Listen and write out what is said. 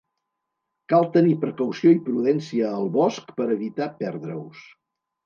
Cal tenir precaució i prudència al bosc per evitar perdre-us.